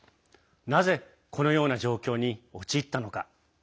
なぜこのような状況に陥ったのか。